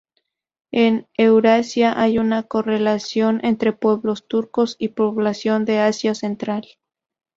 En Eurasia hay una correlación entre pueblos turcos y población del Asia Central.